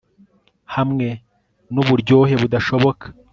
hamwe nuburyohe budashoboka